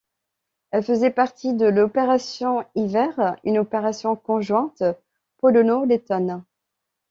Elle faisait partie de l'opération Hiver, une opération conjointe polono-lettone.